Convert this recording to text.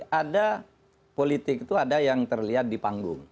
karena politik itu ada yang terlihat di panggung